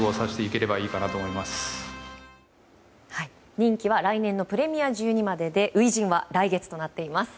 任期は来年のプレミア１２までで初陣は来月となっています。